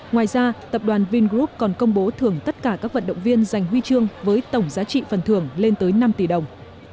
ngoài ra tập đoàn vingroup còn công bố thưởng tất cả các vận động viên giành huy chương với tổng giá trị phần thưởng lên tới năm tỷ đồng